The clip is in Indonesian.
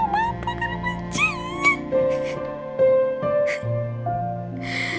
benci sama bapak